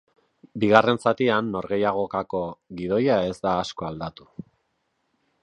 Bigarren zatian norgehiagokako gidoia ez da asko aldatu.